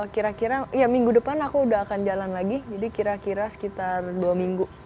kira kira ya minggu depan aku udah akan jalan lagi jadi kira kira sekitar dua minggu